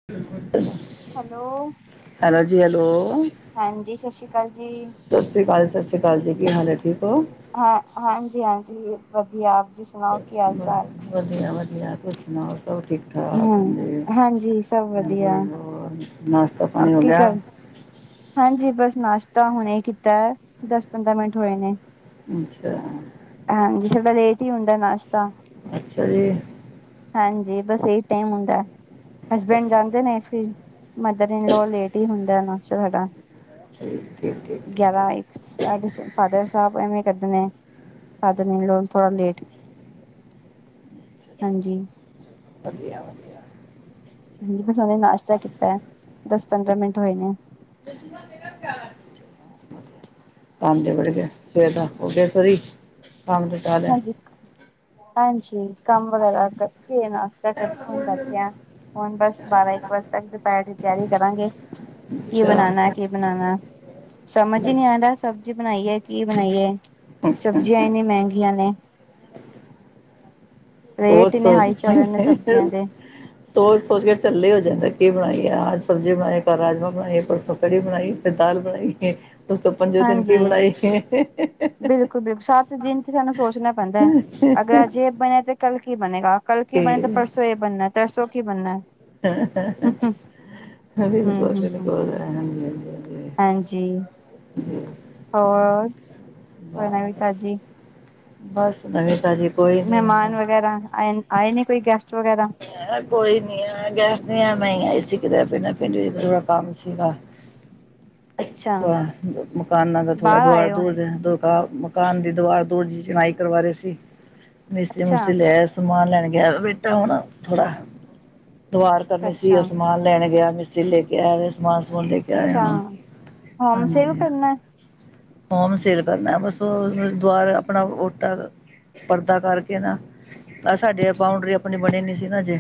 [unintelligible] Hello, hello ਜੀ hello ਹਾਂਜੀ, ਸਤਿ ਸ਼੍ਰੀ ਅਕਾਲ ਜੀ। ਸਤਿ ਸ਼੍ਰੀ ਅਕਾਲ, ਸਤਿ ਸ਼੍ਰੀ ਅਕਾਲ ਜੀ। ਕੀ ਹਾਲ ਹੈ? ਠੀਕ ਹੋ। ਹਾਂ, ਹਾਂਜੀ-ਹਾਂਜੀ ਵਧੀਆ ਆਪ ਜੀ ਸ ਵਧੀਆ-ਵਧੀਆ ਤੁਸੀਂ ਸੁਣਾਓ, ਸਭ ਠੀਕ ਹੋਰ ਹਾਂ, ਹਮ ਹਾਂਜੀ ਸਭ ਵਧੀਆ ਜੀ-ਜੀ ਹੋਰ ਨਾਸ਼ਤਾ ਪਾਣੀ ਹੋ ਕੀ ਗਿਆ ਕਰ ਹਾਂਜੀ, ਬਸ ਨਾਸ਼ਤਾ ਹੁਣੇ ਕੀਤਾ ਹੈ, ਦਸ ਪੰਦਰਾਂ ਮਿੰਟ ਹੋਏ ਨੇ ਅੱਛਾ ਹਾਂਜੀ, ਸਾਡਾ ਲੇਟ ਹੀ ਹੁੰਦਾ ਨਾਸ਼ਤਾ ਅੱਛਾ ਜੀ। ਹਾਂਜੀ ਬਸ ਇਹੀ ਟਾਈਮ ਹੁੰਦਾ ਹਸਬੈਂਡ ਜਾਂਦੇ ਨੇ ਫੇਰ। ਮਦਰ ਇਨਲੋ ਲੇਟ ਹੀ ਹੁੰਦਾ ਨਾਸ਼ਤਾ ਸਾਡਾ। ਠੀਕ -ਠੀਕ, ਠੀਕ -ਠੀਕ। ਗਿਆਰਾਂ ਇੱਕ ਸਾਡੇ ਫਾਦਰ ਸਾਹਿਬ ਐਵੇਂ ਕਰਦੇ ਨੇ ਫਾਦਰ ਨ ਲੋ ਥੋੜਾ ਲੇਟ। ਅੱਛਾ ਅੱਛਾ ਹਾਂਜੀ। ਅੱਛਾ ਵਧੀਆ -ਵਧੀਆ। ਹਾਂਜੀ ਬਸ ਉਹਨੇ ਨਾਸ਼ਤਾ ਕੀਤਾ, ਦਸ- ਪੰਦਰਾਂ ਮਿੰਟ ਹੋਗੇ। [unintelligible] ਕੰਮ ਦੇ ਵੜ ਗਏ ਸਵੇਰ ਦਾ, ਹੋ ਗਿਆ ਫਰੀ, ਕੰਮ ਦੇ। ਹਾਂਜੀ- ਹਾਂਜੀ ਕੰਮ ਵਗੈਰਾ ਕਰਕੇ, ਨਾਸ਼ਤਾ ਕਰਕੇ ਹੁਣ ਬੈਠੇ ਆ। ਹੁਣ ਬਸ ਬਾਰਾਂ- ਇੱਕ ਵਜੇ ਤੱਕ ਦੁਪੈਰ ਦੀ ਤਿਆਰੀ ਕਰਾਂਗੇ ਕੀ ਬਣਾਉਣਾ ਅੱਛਾ ਕਿ ਬਣਾਣਾ ਸਮਝ ਹੀ ਨਹੀ ਆਉਂਦਾ ਸਬਜ਼ੀ ਬਣਾਈਏ ਕੀ ਬਣਾਈਏ, ਸਬਜ਼ੀਆਂ ਇੰਨੀ ਮਹਿੰਗੀਆਂ ਨੇ। ਹੋਰ ਰੇਟ ਇੰਨੇ ਹਾਈ ਚੱਲ ਰਹੇ ਨੇ ਸਬਜ਼ੀਆਂ ਸਰ ਦੇ ਸੋ ਸੋਚ ਕੇ ਝਲੇ ਹੀ ਹੋ ਜਾਂਦਾ ਕਈ ਵਾਰੀ ਅਜ ਸਬਜ਼ੀ ਬਣਾਈਏ, ਕਲ ਰਾਜਮਾਂ ਬਣਾਈਏ, ਪਰਸੋਂ ਕੜੀ ਬਣਾਈ ਫੇਰ ਦਾਲ ਬਣਾਈਏ ਕੇ- ਉਸ ਤੋਂ ਪੰਜੋ ਦਿਨ ਕੀ ਹਾਂਜੀ ਬਣਾਈ ਸੀ। ਹਾਂ ਬਿਲਕੁਲ ਬਿਲਕੁਲ ਸੱਤ ਦਿਨ ਤੇ -ਹਾਂ -ਹਾਂ। ਬਣੇ ਤੇ ਕਲ ਕੀ ਬਣੇਗਾ ਕਲ ਕੀ ਬਣੇ ਤਾਂ ਪਰਸੋਂ ਇਹ ਬਣਨਾ ਹੈ ਤਰਸੋਂ ਕੀ ਬਣਨਾ ਹੈ। ਹਾਂ- ਹਾਂ -ਹਾਂ ਹ- ਹਾਂਜੀ ਹੂੰ ਹੂੰ ਹੂੰ ਹਾਂਜੀ - [unintelligible] ਹੋਰ? ਕੋਈ ਨਵੀਂ ਤਾਜੀ। ਬਸ ਨਵੀ ਤਾਜ਼ੀ। ਕੋਈ ਨੀ ਮਹਿਮਾਨ ਹੈ ਵਗੈਰਾ ਆਏ- ਆਏ ਨੀ ਕੋਈ ਗੈਸਟ ਵਗੈਰਾ? ਕੋਈ ਨੀ ਆ ਗੈਸਟ ਆ ਮੈਂ ਹੀ ਆਈ ਸੀ ਕਿਤੇ ਪ ਪਿੰਡ ਥੋਰਾ ਕੰਮ ਸੀਗਾ। ਅੱਛਾ ਅ ਮਕਾਨਾਂ ਦਾ ਥੋੜਾ ਬਾਹਰ ਪੈਆ ਹੈ ਆਏ ਹੋ ਦੋ ਦਿਨ ਤੋਂ। ਮਕਾਨ ਦੀ ਦੀੁਵਾਰ ਦੋ ਦਿਨ ਜ ਚਣਾਈ ਕਰਵਾ ਰਹੇ ਸੀ ਮਿਸਤਰੀ ਅੱਛਾ ਮੁਸਤਰੀ ਲੈ ਆਯਾ ਸੀ। ਸਮਾਨ ਲੈਣ ਗਿਆ ਬੇਟਾ ਹੁਣ ਥੋੜਾ ਦਿਵਾਰ ਅੱਛਾ ਕਰਨੀ ਸੀ ਅੱਛਾ ਉਹ ਸਮਾਨ ਲੈਣ ਗਿਆ ਮਿਸਤਰੀ ਲੈ ਕੇ ਆਯਾ ਸਮਾਨ ਸਮੂਨ ਲੈ ਕੇ ਆਯਾ ਅੱਛਾ ਹੁਣ, ਹੋਮ ਸੇਲ ਹਾਂਜੀ। ਕਰਨਾ ਹੋਮ ਸੇਲ ਕਰਨਾ ਹੈ, ਬਸ ਉਹ ਦੁਆਰ ਆਪਣਾ ਓਟਾ। ਪਰਦਾ ਕਰਕੇ ਨਾ ਆਹ ਸਾਡੇ ਆ ਬਊਂਡਰੀ ਆਪਣੀ ਬਣੀ ਨੀ ਸੀ। ਅਜੇ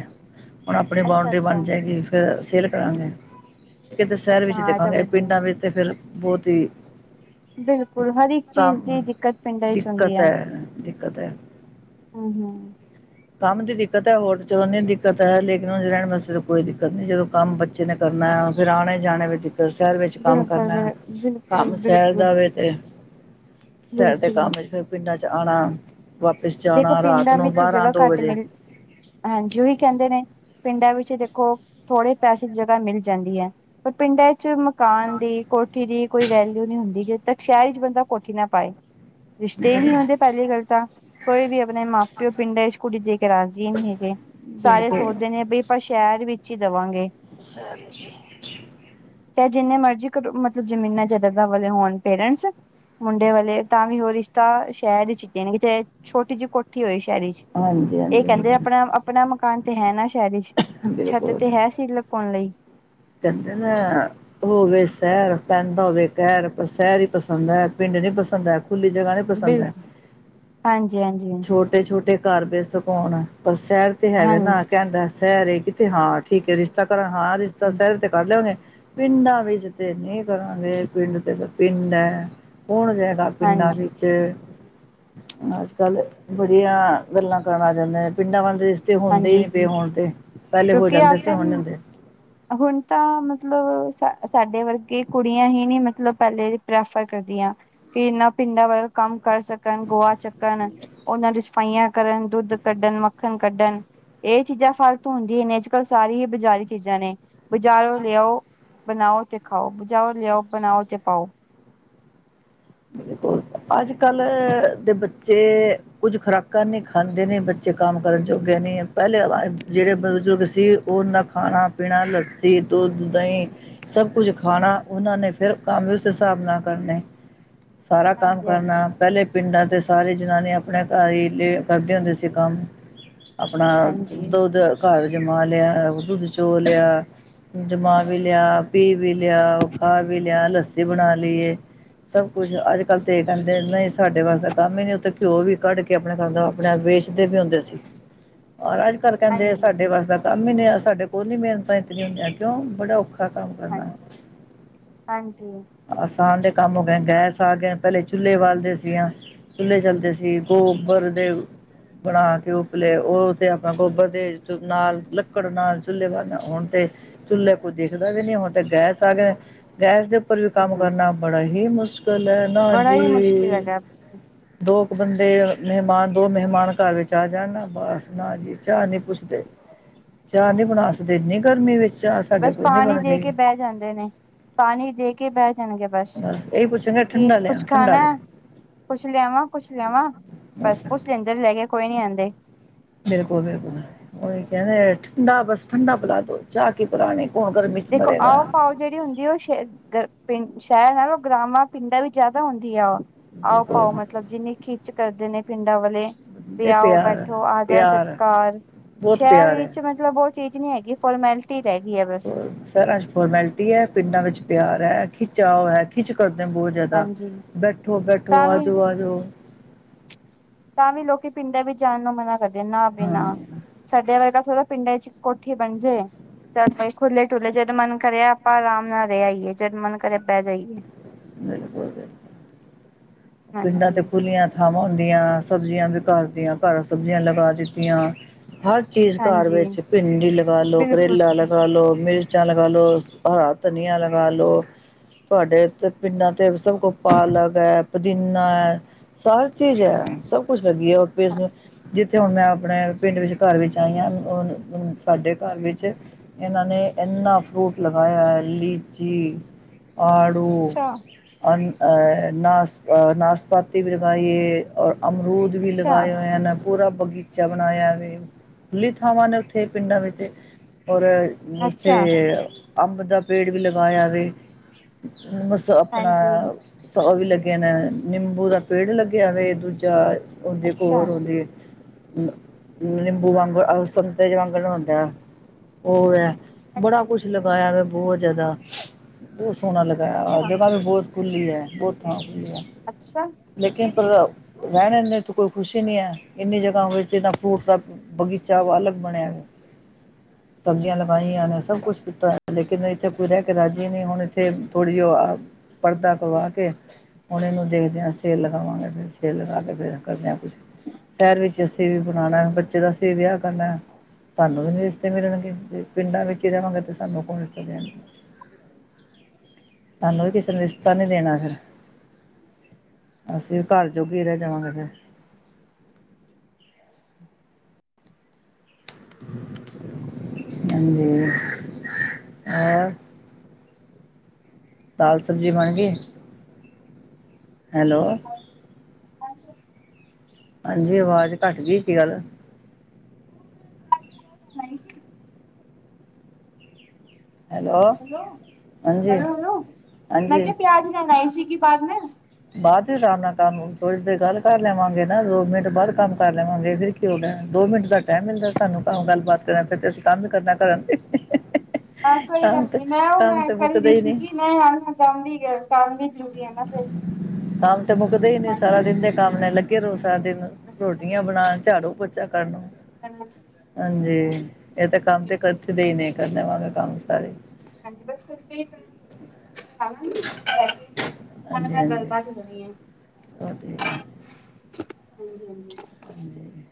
ਹੁਣ ਆਪਣੀ ਅੱਛਾ ਬਾਊਂਡਰੀ ਅੱਛਾ ਬਣ ਜਾਏਗੀ ਫੇਰ ਸੇਲ ਕਰਾਂਗੇ। ਕਿਤੇ ਸ਼ਹਿਰ ਅੱਛਾ ਵਿੱਚ ਹਾਂ ਇਹ ਤਾਂ ਦੇਖਾਂਗੇ ਵਧੀਆ ਪਿੰਡਾਂ ਵਿੱਚ ਤੇ ਫੇਰ ਬਹੁਤ ਹੀ ਬਿਲਕੁਲ ਹਰ ਇਕ ਕੰਮ ਚੀਜ਼ ਦੀ ਦਿੱਕਤ ਪਿੰਡਾਂ ਵਿੱਚ ਹੁੰਦੀ ਦਿੱਕਤ ਹੈ। ਦਿੱਕਤ ਹੈ ਹੂੰ-ਹੂੰ। ਕੰਮ ਦੀ ਦਿੱਕਤ ਹੈ, ਹੋਰ ਚਲੋ ਨਹੀਂ ਦਿੱਕਤ ਹੈ ਲੇਕਿਨ ਹੁਣ ਰਹਿਣ ਵਾਸਤੇ ਕੋਈ ਦਿੱਕਤ ਨਹੀਂ ਜਦੋਂ ਕੰਮ ਬੱਚੇ ਨੇ ਕਰਨਾ ਹੈ ਫੇਰ ਆਣੇ- ਜਾਣੇ ਵੀ ਦਿੱਤ ਫੇਰ ਸ਼ਹਿਰ ਵਿੱਚ ਕੰਮ ਬਿਲਕੁਲ ਕਰਨਾ, ਬਿਲ ਬਿਲਕੁਲ ਕੰਮ ਸ਼ੈਰ ਬਿਲਕੁਲ ਜਾਵੇ ਤੇ ਸੈਰ ਦੇ ਬਿਲਕੁਲ ਕੰਮ ਚ ਫੇਰ ਪਿੰਡਾਂ ਚ ਆਉਣਾ, ਵਾਪਿਸ ਦੇਖੋ ਜਾਣਾ ਰਾਤ ਪਿੰਡਾਂ ਨੂੰ ਵਿੱਚ ਬਾਰਾਂ- ਜਗ੍ਹਾ ਦੋ ਘੱਟ ਵਜੇ। ਮਿਲ ਹਾਂਜੀ ਉਹੀ ਕਹਿੰਦੇ ਨੇ, ਪਿੰਡਾਂ ਵਿੱਚ ਦੇਖੋ ਥੋੜੇ ਪੈਸੇ ਚ ਜਗਾ ਮਿਲ ਜਾਂਦੀ ਹੈ, ਪਰ ਪਿੰਡਾਂ ਚ ਮਕਾਨ ਦੀ ਕੋ ਕੋਠੀ ਦੀ ਕੋਈ ਵੈਲਿਊ ਨੀ ਹੁੰਦੀ, ਜਦ ਤੱਕ ਸ਼ਹਿਰ ਚ ਬੰਦਾ ਕੋਠੀ ਨਾ ਪਾਏ, ਰਿਸ਼ਤੇ ਨੀ ਹੁੰਦੇ ਪਹਿਲੀ ਗੱਲ ਤਾਂ ਕੋਈ ਵੀ ਆਪਣੇ ਮਾਂ- ਪਿਓ ਪਿੰਡਾਂ ਵਿੱਚ ਕੁੜੀ ਦੇ ਕੇ ਰਾਜੀ ਨਹੀਂ ਹੈਗੇ, ਸਾਰੇ ਬਿਲਕੁਲ ਸੋਚਦੇ ਨੇ ਬ ਆਪਾਂ ਸ਼ਹਿਰ ਵਿੱਚ ਹੀ ਦੇਵਾਂਗੇ। ਸ ਜੀ। ਤੇ ਜਿੰਨੇ ਮਰਜ਼ੀ ਕ ਮਤਲਬ ਜਮੀਨਾਂ ਜਦਾਦਾਂ ਵਾਲੇ ਹੋਣ ਪੇਰੈਂਟਸ। ਮੁੰਡੇ ਵਾਲੇ ਤਾਂ ਵੀ ਓ ਰਿਸ਼ਤਾ, ਸ਼ਹਿਰ ਵਿੱਚ ਜਾਣਗੇ, ਚਾਹੇ ਛੋਟੀ ਜਿਹੀ ਕੋ ਇਕੱਠੀ ਹੋਈ ਸ਼ਹਿਰੀ 'ਚ, ਹਾਂਜੀ ਇਹ ਹਾਂਜੀ ਕਹਿੰਦੇ ਹਾਂਜੀ ਆਪਣਾ ਆਪਣਾ ਮਕਾਨ ਤੇ ਹੈ ਨਾ ਸ਼ਹਿਰ ਵਿੱਚ, ਛੱਤ ਬਿਲਕੁਲ ਤੇ ਹੈ ਸੀ ਲੁਕਾਉਣ ਲਈ। ਕਹਿੰਦੇ ਨਾ। ਹੋਵੇ ਸ਼ਹਿਰ ਪਹਿੰਦਾ ਹੋਵੇ ਕਹਿਰ ਸ਼ਹਿਰ ਹੀ ਪਸੰਦ ਹੈ ਪਿੰਡ ਨੀ ਪਸੰਦ ਹੈ ਖੁੱਲੀ ਜਗ੍ਹਾ ਨਾ। ਬਿਲ, ਹਾਂਜੀ- ਹਾਂਜੀ। ਛੋਟੇ- ਛੋਟੇ ਘਰ ਬੇਸਕ ਹੋਣ, ਪਰ ਸ਼ਹਿਰ ਤੇ ਹੈਵੇ ਨਾ, ਹਾਂਜੀ ਕਹਿਣਦਾ ਸ਼ਹਿਰ ਤੇ ਹਾਂ ਠੀਕ ਰਿਸ਼ਤਾ ਘ ਹਾਂ ਰਿਸ਼ਤਾ ਸਹਿਰ ਤੇ ਕਰੱਢ ਲਿਆ ਉਹਨੇ। ਪਿੰਡਾਂ ਵਿੱਚ ਤੇ ਨਹੀਂ ਕਰਾਂਗੇ, ਪਿੰਡ ਤੇ ਪਿੰਡ ਹੈ ਹੁਣ ਜੇ ਗੱਲ ਪਿੰਡਾਂ ਹਾਂਜੀ ਵਿੱਚ, ਅ ਪਹਿਲਾ ਬੜੀਆਂ ਗੱਲਾਂ ਕਰਨਾ ਆ ਜਾਂਦੇ ਹੈ, ਪਿੰਡਾਂ ਵਾਂਲੀ ਰੀਸ ਤੇ ਹੁੰਦੇ ਹੀ ਹਾਂਜੀ ਨੀ ਪਏ ਹੋਣ ਤੇ, ਪਹਿਲੇ ਹੋ ਕਿਉਂਕਿ ਜਾਂਦੇ ਸੀ ਹੁਣ ਅੱਜ ਨੀ ਹੁੰਦੀ। ਹੁਣ ਤਾਂ, ਮਤਲਬ ਸਾ ਸਾਡੇ ਵਰਗੇ ਕੁੜੀਆਂ ਹੀ ਨੀ ਮਤਲਬ ਪਹਿਲੇ ਪ੍ਰੈਫਰ ਕਰਦੀਆਂ। ਕਿ ਇਹਨਾਂ ਪਿੰਡਾਂ ਵੱਲੋਂ ਕੰਮ ਕਰ ਸਕਣ, ਗੋਆ ਚੱਕਣ ਉਹਨਾਂ ਦੀ ਸਫਾਈਆਂ ਕਰਨ, ਦੁੱਧ ਕੱਢਣ, ਮੱਖਣ ਕੱਢਣ। ਇਹ ਚੀਜ਼ਾਂ ਫਾਲਤ ਹੁੰਦੀਆਂ ਨੇ, ਅੱਜ- ਕੱਲ੍ਹ ਸਾਰੀ ਹੀ ਬਜ਼ਾਰੀ ਚੀਜ਼ਾਂ ਨੇ। ਬਾਜ਼ਾਰੋ ਲਿਆਓ, ਬਣਾਓ ਤੇ ਖਾਓ, ਬਜ਼ਾਰੋਂ ਲਿਆਓ ਬਣਾਓ ਤੇ ਪਾਓ। ਬਿਲਕੁਲ, ਅੱਜ- ਕੱਲ ਦੇ ਬੱਚੇ ਕੁੱਝ ਖੁਰਾਕਾਂ ਨਹੀਂ ਖਾਂਦੇ ਨੇ ਬੱਚੇ ਕੰਮ ਕਰਨ ਚੋਗੇ ਨਹੀਂ, ਪਹਿਲੇ ਜਿਹੜੇ ਬਜ਼ੁਰਗ ਸੀ ਉਹ ਨਾ ਖਾਣਾ- ਪੀਣਾ ਲੱਸੀ, ਦੁੱਧ, ਦਹੀਂ ਸਭ ਕੁੱਝ ਖਾਣਾ, ਉਹਨਾਂ ਨੇ ਫਿਰ ਕੰਮ ਉਸ ਹਿਸਾਬ ਨਾਲ ਕਰਨੇ। ਸਾਰਾ ਕੰਮ ਹਾਂਜੀ ਹਾਂਜੀ ਕਰਨਾ, ਪਹਿਲੇ ਪਿੰਡਾਂ ਦੇ ਸਾਰੇ ਜਨਾਨੀਆਂ ਆਪਣੇ ਘਰ ਹੀ ਲ ਕਰਦੇ ਹੁੰਦੇ ਸੀ ਕੰਮ। ਆਪਣਾ, ਹਾਂਜੀ ਦੁੱਧ ਘਰ ਜਮਾ ਲਿਆ, ਦੁੱਧ ਚੋ ਲਿਆ। ਜਮਾ ਵੀ ਲਿਆ, ਪੀ ਵੀ ਲਿਆ, ਉਹ ਖਾਹ ਵੀ ਲਿਆ, ਲੱਸੀ ਬਣਾ ਲਈਏ। ਸਭ ਕੁਛ, ਅੱਜ- ਕੱਲ ਤੇ ਇਹ ਕਹਿੰਦੇ ਨਹੀਂ ਸਾਡੇ ਵਾਸਤੇ ਕੰਮ ਹੀ ਨੀ ਉੱਥੇ ਘਿਓ ਵੀ ਕੱਢ ਕੇ ਆਪਣੇ ਖਦਾ ਆਪਣੇ ਵੇਚਦੇ ਵੀ ਹੁੰਦੇ ਸੀ, ਰ ਅੱਜ -ਕੱਲ੍ਹ ਕਹਿੰਦੇ ਹਾਂਜੀ ਸਾਡੇ ਵਾਸਤ ਦਾ ਕੰਮ ਹੀ ਨਹੀਂ ਆ ਸਾਡੇ ਕੋਲ ਨਹੀਂ ਮਿਹਨਤਾਂ ਇਤਨੀਆਂ ਹੁੰਦੀਆਂ ਕਿਉਂ, ਬੜਾ ਔਖਾ। ਦਾ ਕੰਮ ਕਰਨਾ, ਹਾਂਜੀ ਹਾਂਜੀ ਆਸਾਨ ਦੇ ਕੰਮ ਗੈਸ ਆ ਗ, ਪਹਿਲੇ ਚੁੱਲੇ ਬਾਲਦੇ ਸੀ ਹ ਚੁੱਲੇ ਚੱਲਦੇ ਸੀ ਗੋਬਰ ਦੇ। ਬਣਾ ਕੇ ਉਪਲੇ, ਉਹ ਤੇ ਆਪਣਾ ਗੋਬਰ ਦੇ ਨਾਲ ਲੱਕੜ ਨਾਲ ਚੁੱਲੇਵ ਆਉਣ ਤੇ। ਚੁੱਲ੍ਹੇ ਕੋਈ ਦੇਖਦਾ ਵੀ ਨਹੀਂ, ਹੁਣ ਤਾਂ ਗੈਸ ਆ ਗਏ ਗੈਸ ਦੇ ਉੱਪਰ ਵੀ ਹਮ ਕੰਮ ਹਮ ਕਰਨਾ, ਬੜਾ ਹੀ ਮੁਸ਼ਕਿਲ ਹੈ, ਨਾ ਬੜਾ ਹੀ ਮੁਸ਼ਕਿਲ ਜੀ। [inaudible] ਦੋ ਕੁ ਬੰਦੇ, ਮਹਿਮਾਨ ਦੋ ਮਹਿਮਾਨ ਘਰ ਵਿੱਚ ਆ ਜਾਣ ਨਾ ਬਸ, ਨਾ ਜੀ ਚਾਹ ਨੀ ਪੁੱਛਦੇ। ਚਾਹ ਨੀ ਬਣਾਸਦੇ ਇਨੀ ਗਰਮੀ ਵਿੱਚ। ਚਾਹ ਸਾਡੇ ਬਸ ਕੋਲ ਨਹੀਂ ਪਾਣੀ ਦੇ ਬਣਦੀ ਕੇ ਬਹਿ ਜਾਂਦੇ ਨੇ, ਪਾਣੀ ਦੇ ਕੇ ਬਹਿ ਜਾਣਗੇ। ਬਸ, ਇਹੀ ਪੁੱਛਾਂਗੇ ਕੀ ਠੰਡਾ ਕੁਛ ਲਿਆ ਠੰਡਾ ਖਾਣਾ ਹੈ। ਲਿਆ ਕੁਛ ਲਿਆਵਾਂ, ਕੁਛ ਲਿਆਵਾਂ, ਬਸ ਪੁਛ ਲੈਂਦੇ ਨੇ, ਲੈ ਕੇ ਕੋਈ ਨੀ ਆਂਦੇ। ਬਿਲਕੁਲ- ਬਿਲਕੁਲ ਉਹੀ ਕਹਿੰਦੇ, ਠੰਡਾ ਬਸ ਠੰਡਾ ਪਿਲਾ ਦੋ, ਚਾਹ ਕੀ ਪੁਰਾਣੀ, ਕੌਣ ਗਰਮੀ 'ਚ ਦੇਖੋ ਮਰੇਗਾ। ਆਓ ਪਾਓ ਜਿਹੜੀ ਹੁੰਦੀ ਆ ਉਹ ਸ਼ ਪਿੰ ਸ਼ਹਿਰ ਨਾਲੋਂ ਗਰਾਵਾਂ ਪਿੰਡਾਂ ਵੀ ਜਿਆਦਾ ਹੁੰਦੀ ਆ ਉਹ। ਆਓ ਪਾਓ ਮਤਲਬ ਜਿੰਨੀ ਖਿੱਚ ਕਰਦੇ ਨੇ ਪਿੰਡਾਂ ਵਾਲੇ। ਤੇ ਆਓ ਬੈਠੋ ਆਦਰ ਸਤਿਕਾਰ ਬਹੁਤ ਸ਼ਹਿਰ ਪਿਆਰ ਵਿੱਚ ਮੈਂ ਹੈ। ਮਤਲਬ ਉਹ ਚੀਜ਼ ਨੀ ਹੈਗੀ ਫੋਰਮੈਲਿਟੀ ਰਹਿ ਗਈ ਹੈ। ਬਸ ਸਰ ਅੱਜ ਫੋਰਮੈਲਿਟੀ ਹੈ ਪਿੰਡਾਂ ਵਿੱਚ ਪਿਆਰ ਹੈ ਤੇ ਚਾਓ ਹੈ। ਖਿੱਚ ਕਰਦੇ ਬਹੁਤ ਜ਼ਿਆਦਾ ਹਾਂਜੀ ਬੈਠੋ ਬੈਠੋ ਤਾਂ ਆ ਵੀ ਜਾਓ ਆ ਜਾਓ ਤਾਂ ਵੀ ਲੋਕੀ ਪਿੰਡਾਂ ਵਿੱਚ ਜਾਣ ਨੂੰ ਮਨਾ ਕਰਦੇ ਨਾ ਬੀ ਹਾਂ, ਨਾ ਸਾਡੇ ਵਰਗਾ ਥੋਰਾ ਪਿੰਡਾਂ ਚ ਕੋਠੀ ਬਣ ਜਾਏ ਚੱਲ ਬਈ ਖੁੱਲੇ ਦੁਲੇ ਜਦ ਮਨ ਕਰਆ ਆਪਾਂ ਆਰਾਮ ਨਾਲ ਰਹਿ ਆਈਏ ਜਦ ਮਨ ਕਰਿਆ ਪਹਿ ਜਾਈਏ [unintelligible] ਪਿੰਡਾਂ ਹਾਂਜੀ ਤੇ ਖੁੱਲੀਆਂ ਥਾਵਾਂ ਹੁੰਦੀਆਂ ਸਬਜ਼ੀਆਂ ਵੀ ਘਰ ਦੀਆਂ ਘਰ ਸਬਜ਼ੀਆਂ ਲਗਾ ਦਿੱਤੀਆਂ ਹਰ ਚੀਜ਼ ਘਰ ਹਾਂਜੀ ਵਿੱਚ ਭਿੰਡੀ ਲਗਾ ਲੋ ਬਿਲਕੁਲ ਕਰੇਲਾ ਲਗਾ ਲੋ ਮਿਰਚ ਮਿਰਚਾਂ ਲਗਾ ਲੋਹ ਹਰਾ ਧਨੀਆ ਲਗਾ ਲੋ ਤੁਹਾਡੇ ਏਥੇ ਪਿੰਡਾਂ ਤੇ ਸਭ ਕੋ ਪਾਲਰ ਹੈ। ਪੁਦੀਨਾ ਹੈ ਸਾਰ ਚੀਜ਼ ਹੈ ਸਭ ਕੁੱਛ ਹੈਗੀ ਹੈ ਉਥੇ [unintelligible] ਜਿੱਥੇ ਹੁਣ ਮੈਂ ਆਪਣੇ ਪਿੰਡ ਵਿੱਚ ਘਰ ਵਿੱਚ ਆਈ ਹਾਂ ਸਾਡੇ ਘਰ ਵਿੱਚ ਇਹਨਾਂ ਨੇ ਇੰਨਾ ਫਰੂਟ ਲਗਾਇਆ ਹੈ ਲੀਚੀ ਆੜੂ ਅੱਛਾ ਨਾਸ਼ ਨਾਸ਼ਪਾਤੀ ਵੀ ਲਗਾਈਏ ਔਰ ਅਮਰੂਦ ਵੀ ਅੱਛਾ ਲਗਾਏ ਹੋਏ ਐਨਾ ਪੂਰਾ ਬਗੀਚਾ ਬਣਾਇਆ ਵੇ ਖੁੱਲੀ ਥਾਵਾਂ ਨੇ ਉੱਥੇ ਪਿੰਡਾਂ ਵਿੱਚ ਔਰ ਉੱਥੇ ਅੱਛਾ ਅੰਬ ਦਾ ਪੇੜ ਵੀ ਲਗਾਇਆ ਵੇ ਬਸ ਆਪਣਾ ਹਾਂਜੀ ਉਹ ਵੀ ਲੱਗੇ ਨੇ ਨਿੰਬੂ ਦਾ ਪੇੜ ਲੱਗਿਆ ਵੇ ਦੂਜਾ ਉਹਦੇ ਅੱਛਾ ਕੋਲ ਉਹਦੇ ਨਿੰਬੂ ਵਾਂਗੂ ਅ ਸੰਤਰੇ ਜੇ ਰੰਗ ਦਾ ਹੁੰਦਾ ਏ ਹੋਰ ਇਹ ਹਾਂਜੀ ਬੜਾ ਕੁਛ ਹਾਂਜੀ ਲਗਾਇਆ ਮੈਂ ਬਹੁਤ ਜ਼ਿਆਦਾ ਬਹੁਤ ਸੋਹਣਾ ਲਗਾਇਆ ਅੱਛਾ ਜਗ੍ਹਾ ਬਹੁਤ ਖੁੱਲੀ ਹੈ ਬਹੁਤ ਥਾਂ ਖੁੱਲੀ ਹੈ ਅੱਛਾ ਲੇਕਿਨ ਹੈਲੋ ਪਰ ਰਹਿਣੇ ਨੇ ਤੋਂ ਕੋਈ ਖੁਸ਼ ਹੀ ਨੀ ਹੈ ਇੰਨੀ ਜਗ੍ਹਾ ਵਿੱਚ ਏਨਾ ਫਰੂਟ ਦਾ ਬਗੀਚਾ ਵੱਲ ਬਣਿਆ ਸਬਜ਼ੀਆਂ ਲਗਾਈਆਂ ਨੇ ਸਭ ਕੁਛ ਕਿਤਾ ਹੋਇਆ ਲੇਕਿਨ ਇੱਥੇ ਕੋਈ ਰਹਿ ਕੇ ਰਾਜੇ ਨੀ ਹੁਣ ਇਥੇ ਥੋੜੀ ਜੀ ਓਆ ਪਰਦਾ ਕਰਵਾ ਕੇ ਹੁਣ ਇਹਨੂੰ ਦੇਖਦਿਆਂ ਸੇਲ ਲਗਾਵਾਂਗੇ ਫਿਰ ਸੇਲ ਲਗਾ ਕੇ ਫਿਰ ਕਰਦੇਆਂ ਕੁਛ ਸ਼ਹਿਰ ਵਿੱਚ ਅਸੀਂ ਵੀ ਬਣਾਉਣਾ ਬੱਚੇ ਦਾ ਅਸੀਂ ਵੀ ਵਿਆਹ ਕਰਨਾ ਏ ਸਾਨੂੰ ਵੀ ਨੀ ਰਿਸ਼ਤੇ ਮਿਲਣਗੇ ਜੇ ਪਿੰਡਾਂ ਵਿੱਚ ਹੀ ਰਿਹਵਾ ਤੇ ਸਾਨੂੰ ਕੌਣ ਰਿਸ਼ਤੇ ਦੇਣਗੇ ਸਾਨੂੰ ਵੀ ਕਿਸੇ ਨੇ ਰਿਸ਼ਤਾ ਨੀ ਦੇਣਾ ਹੈ। ਅਸੀਂ ਵੀ ਘਰ ਜੋਗੇ ਰਹਿ ਜਾਵਾਂਗੇ ਫਿਰ ਹਾਂਜੀ ਹੋਰ ਦਾਲ ਸਬਜ਼ੀ ਬਣ ਗਈ ਹੈਲੋ ਹਾਂਜੀ ਆਵਾਜ਼ ਘੱਟ ਗਈ ਕਿ ਗੱਲ ਨਹੀਂ ਸੀ ਹੈਲੋ ਹਾਂਜੀ ਹੈਲੋ ਹੈਲੋ ਮੈਂ ਕਿਹਾ ਹਾਂਜੀ ਪਿਆਜ ਲੈਣ ਆਈ ਸੀਗੀ ਬਾਹਰ ਮੈਂ ਬਾਅਦ ਹੀ ਸ਼ਾਮ ਨਾਲ ਕੰਮ ਥੋੜੀ ਦੇਰ ਗੱਲ ਕਰ ਲੇਵਾਂਗੇ ਨਾ ਦੋ ਮਿੰਟ ਬਾਅਦ ਕੰਮ ਕਰ ਲਵਾਂਗੇ ਫਿਰ ਕੀ ਤੇ ਹੁਣ ਏ ਦੋ ਮਿੰਟ ਦਾ ਟਾਈਮ ਮਿਲਦਾ ਸਾਨੂੰ ਗੱਲਬਾਤ ਕਰਨ ਤੇ ਫਿਰ ਅਸੀਂ ਕੰਮ ਵੀ ਕਰਨਾ ਘਰਾ ਦੇ ਆਹ ਕੋਈ ਕੰਮ ਗੱਲ ਤੇ ਨੀ ਮੈਂ ਉਹ ਕੰਮ ਤੇ ਮੈਂਟਲ ਮੁੱਕਦੇ ਹੀ ਨਹੀਂ ਸੀਗੀ ਨਈ ਯਾਰ ਹੁਣ ਕੰਮ ਵੀ ਹੈਗਾ ਕੰਮ ਵੀ ਜ਼ਰੂਰੀ ਐ ਨਾ ਫੇਰ। ਕੰਮ ਤੇ ਮੁੱਕਦੇ ਈ ਨੀ ਸਾਰਾ ਦਿਨ ਦੇ ਕੰਮ ਨੇ ਲੱਗੇ ਰੋ ਸਾਰਾ ਦਿਨ। ਹਾਂਜੀ ਰੋਟੀਆਂ ਮੈਂ ਬਣਾਨ, ਝਾੜੂ ਪੋਚਾ ਕਰਨੋ। [inaudible] ਹਾਂਜੀ ਏ ਤੇ ਕੰਮ ਤੇ ਹਾਂਜੀ ਕਥਦੇ ਹੀ ਨੇ ਕਰ ਲਵਾਂਗੇ ਕੰਮ ਸਾਰੇ। [inaudible] ਹੰਜੀ ਬਸ ਫੇਰ ਫ੍ਰੀ ਟਾਈਮ ਹੋਗਿ [inaudible] ਖਾਣਾ ਨੀ ਹਾਂਜੀ ਹਾਂਜੀ [unintelligible] ਹਾਂਜੀ ਉਹ ਤੇ ਹੈ ਹੀ ਹਾਂਜੀ ਹਾਂਜੀ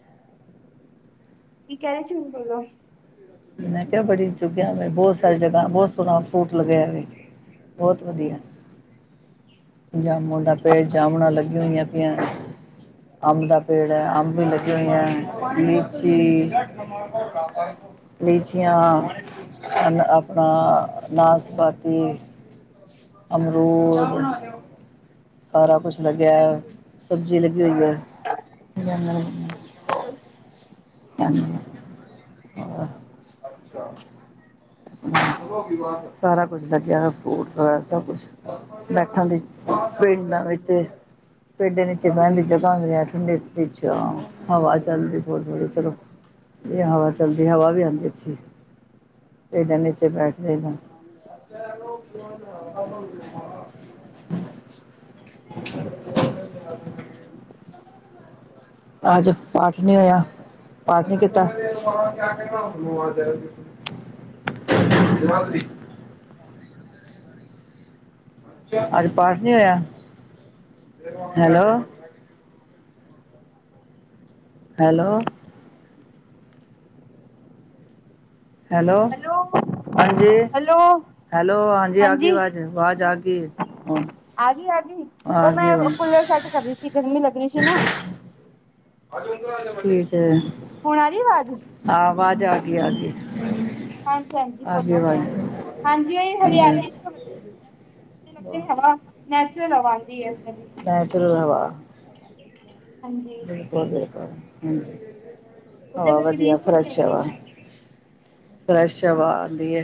ਕੀ ਕੈ ਰੇ ਸੀ ਹੁਣ ਬੋਲੋ? ਮੈਂ ਕਿਆ ਬੜੀ ਚੁੱਗਿਆ ਮੈਂ ਬੌਤ ਸਾਰੀ ਜਗ੍ਹਾ ਬੌਤ ਸੋਣਾ ਫਰੂਟ ਲਗਿਆ ਵੇ। ਬੌਤ ਵਧੀਆ। ਜਾਮੁਨ ਦਾ ਪੇਡ ਜਾਮੁਣਾ ਲੱਗੀ ਹੋਈਆਂ ਪੀਆਂ। ਅੰਬ ਦਾ ਪੇੜ ਐ ਅੰਬ ਵੀ ਹਾਂਜੀ ਲੱਗੇ ਹੋਏ ਐਂ ਲੀਚੀ। ਲੀਚੀਆਂ। ਅਨ ਆਪਾਂ ਨਾਸਪਾਤੀ। ਅਮਰੂਦ ਸਾਰਾ ਕੁਛ ਲੱਗਿਐ। ਹੈਲੋ ਸਬਜ਼ੀ ਲੱਗੀ ਹੋਈ ਐ ਬੈਂਗਣ ਹਾਂਜੀ, ਹੋਰ ਅੱਛਾ। ਸਾਰਾ ਕੁਜ ਲੱਗਿਆ ਹੋਇਆ ਫਰੂਟ ਵਗੈਰਾ ਸਭ ਕੁਛ। ਬੈਠਾਂ ਦੀ ਪਿੰਡਾਂ ਵਿੱਚ ਤੇ। ਪੇਡੇ ਨੀਚੇ ਬੈਣ ਦੀ ਜਗ੍ਹਾ ਹੁੰਂਦੀਆਂ ਠੰਡੇ ਵਿੱਚ ਹਵਾ ਚੱਲਦੀ ਥੋੜੀ ਥੋੜ੍ਹੀ। ਚਲੋ ਏ ਹਵਾ ਚੱਲਦੀ ਹਵਾ ਵੀ ਆਂਦੀ ਅੱਛੀ। ਪੇਡਾ ਨੀਚੇ ਬੈਠ ਦੇ ਨਾ। [inaudible] ਆਜ ਪਾਠ ਨੀ ਹੋਇਆ। ਪਾਠ ਨੀ ਕੀਤਾ? ਜਗਾਦਰੀ। ਅੱਜ ਪਾਠ ਨੀ ਹੋਇਆ? ਹੈਲੋ। ਹੈਲੋ। ਹੈਲੋ। ਹਾਂਜੀ ਹੈਲੋ? ਹੈਲੋ, ਹਾਂਜੀ ਆ ਗਈ ਵਾਜ਼, ਵਾਜ਼ ਆ ਗੀ ਹੁਣ। ਆ ਗੀ ਆ ਗੀ ਓ ਆ ਗਈ ਮੈਂ ਹੁਣ ਕੂਲਰ ਸੈੱਟ ਕਰ ਰੀ ਸੀ ਗਰਮੀ ਲੱਗ ਰੀ ਸੀ ਨਾ। ਆਜੋ ਅੰਦਰ ਆਜੋ। ਠੀਕ ਐ। ਹੁਣ ਆ ਰਹੀ ਆਵਾਜ਼ ਆ ਵਾਜ਼ ਆ ਗਈ, ਆ ਗੀ ਹਾਂਜੀ ਹਾਂਜੀ ਆ ਗੀ ਬੋਲੋ ਅਵਾਜ਼। ਹਾਂਜੀ ਏ ਹਰਿਆਲੀ ਲਰ ਦੀ ਹਵਾ ਨੈਚੁਰਲ ਹਵਾ ਆਂਦੀ ਐ [unintelligible] ਨਾਂ। ਚੱਲਗਾਵਾ। [unintelligible] ਹਾਂਜੀ। ਲ [unintelligible] ਉਹਦੇ ਹਾ ਵਿੱਚ ਵਦੀਆ ਗ੍ਰੀਨਰੀ ਫਰੈਸ਼ ਨਹੀਂ ਆ। ਹੈਗੀ ਫਰੈਸ਼ ਹਵਾ ਆਂਦੀ ਏ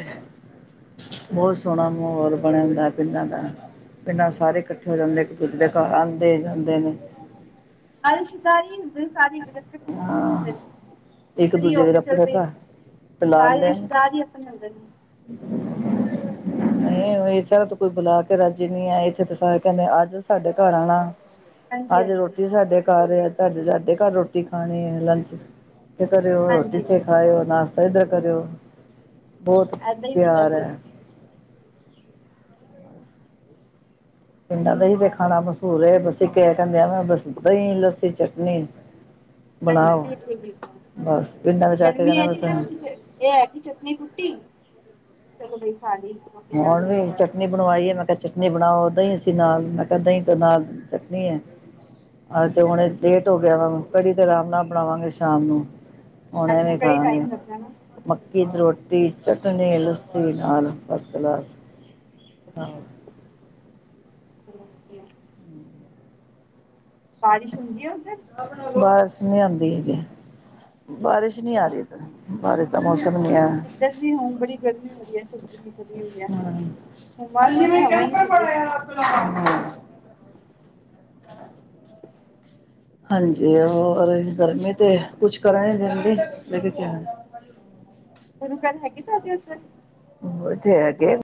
ਬੌਤ ਸੋਣਾ ਮਾਹੌਲ ਬਨਣ ਨਾਲ। ਪਿੰਡਾਂ ਦਾ, ਪਿੰਡਾਂ ਸਾਰੇ ਕੱਠੇ ਹੋ ਜਾਂਦੇ ਇੱਕ ਦੂਜੇ ਦੇ ਘਰ ਆਂਦੇ ਜਾਂਦੇ ਨੇ। ਹਰ ਸ਼ਿਧਾਰੀ ਦ ਸਾਰੀ। [unintelligible] ਹਾਂ। ਇੱਕ ਦੂਜੇ ਹੋ ਦੇ ਕੇ ਚੱਲ ਪਈ ਰੱਪੜਕਾ ਸਾਰੇ ਪਲਾਦੇ। ਰਿਸ਼ਤੇਦਾਰ ਹੀ ਆਪਣੇ ਅੰਦਰ ਨੇ ਅ ਇਹ ਸਾਰ ਤੋਂ ਕੋਈ ਬੁਲਾ ਕੇ ਰਾਜੇ ਨੀ ਆ, ਇੱਥੇ ਤਾਂ ਸਾਰੇ ਕਹਿੰਦੇ ਅੱਜੋ ਸਾਡੇ ਘਰ ਆਉਣਾ। ਹਾਂਜੀ ਅੱਜ ਹਾਂਜੀ ਰੋਟੀ ਸਾਡੇ ਘਰ ਬਿਲਕੁਲ ਆ, ਅੱਜ ਸਾਡੇ ਘਰ ਰੋਟੀ ਖਾਣੀ ਹੈ ਲੰਚ। ਕਰਿਓ ਰੋਟੀ ਹਾਂਜੀ ਤੇ ਖਾਓ ਨਾਸ਼ਤਾ ਇੱਧਰ ਕਰਿਓ ਬਹੁਤ ਏਦਾਂ ਹੀ ਹੁੰਦਾ ਪਿਆਰ ਫਿਰ ਹੈ। ਪਿੰਡਾਂ ਇਵੇਂ ਹੀ ਦਾ ਤੇ ਹੁੰਦਾ ਖਾਣਾ ਮਸਹੂਰ ਆ ਬਸੀ ਕ ਕਹਿੰਦੇ ਬਸ ਦਹੀਂ ਲੱਸੀ ਚਟਨੀ। ਹਾਂ ਬਣਾਓ ਬਿਲਕੁਲ ਬਿਲਕੁਲ ਬਸ ਪਿੰਡਾਂ ਵਿੱਚ ਆ ਕੇ ਗਰਮੀ ਕਹਿੰਦਾ ਹੈ ਚ ਬਸ ਨਾ ਬਸੀ। ਇਹ ਹੈ ਕਿ ਚਟਨੀ ਕੁੱਟੀ ਚਲੋ ਜੀ ਖਾ ਲਈ। ਰੋਟੀ ਨਾਲ ਹੁਣ ਵੀ ਦਹੀਂ ਨਾਲ ਚਟਨੀ ਬਣਵਾਈ ਹੈ ਮੈਂ। ਚਟਨੀ ਬਣਾਓ ਦਹੀਂ ਅਸੀਂ ਨਾਲ ਮੈਂ ਕਿਹਾ ਦਹੀਂ ਤੋਂ ਨਾਲ ਚਟਨੀ ਹੈ। ਅੱਜ ਤੇ ਹੁਣ ਹਾਂਜੀ ਲੇਟ ਹੋ ਗਿਆ ਵਾ, ਕੜੀ ਤੇ ਆਰਾਮ ਨਾਲ ਬਣਾਵਾਂਗੇ ਸ਼ਾਮ ਨੂੰ। ਹੁਣ ਹਾਂਜੀ ਐਵੇ ਕਈ ਟਾਈਮ ਲੱਗਦਾ ਨਾ ਖਾਵਾਗੇ। ਕੀ ਰੋਟੀ ਚਟਨੀ ਲੱਸੀ ਨਾਲ ਫਸਟ ਕਲਾਸ। ਆਹੋ ਚਲੋ ਵਧੀਆ। ਬਾਰਿਸ਼ ਹੁੰਦੀ ਹੈ ਉੱਧਰ ਬਾਰਿਸ਼ ਨਹੀਂ ਆਉਂਦੀ ਹੈਗੀ, ਬਾਰਿਸ਼ ਨਹੀਂ ਆ ਅੱਛਾ ਰਹੀ ਇੱਧਰ ਬਾਰਿਸ਼ ਦਾ ਮੌਸਮ ਨਹੀਂ ਹੈ ਇੱਧਰ ਹੁਣ ਬੜੀ ਗਰਮੀ ਹੋ ਰਹੈ ਚੀ ਹੋਈ ਹੈ ਹੁਣ ਭਗਵਾਨ ਜੀ ਨੇ ਹਵਾ ਹੀ ਨਹੀਂ ਛੱਡੀ। ਹੂੰ। ਹਾਂਜੀ ਹੋਰ ਗਰਮੀ ਤੇ, ਕੁਛ ਕਰਨ ਹੀ ਨਹੀਂ ਦੇਦੀ ਲ ਕਿਆ। ਗੁਰੂ ਘਰ ਹੈਗੇ ਸਾਡੇ ਓਧਰ। ਉਹ ਤੇ ਹੈਗੇ।